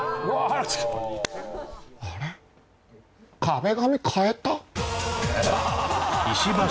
壁紙かえた？